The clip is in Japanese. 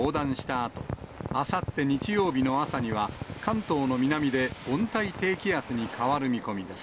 あと、あさって日曜日の朝には、関東の南で温帯低気圧に変わる見込みです。